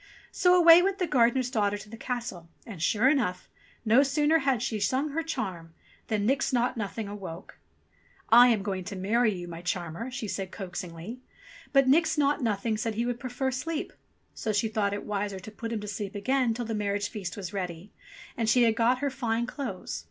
So away went the gardener's daughter to the castle, and sure enough, no sooner had she sung her charm, than Nix Naught Nothing awoke. "I am going to marry you, my charmer," she said coax ingly ; but Nix Naught Nothing said he would prefer sleep. So she thought it wiser to put him to sleep again till the marriage feast was ready, and she had got her fine clothes.